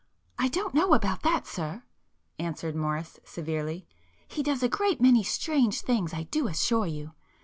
"I don't know about that sir,"—answered Morris severely; "He does a great many strange things I do assure you.